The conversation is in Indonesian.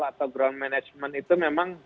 atau ground management itu memang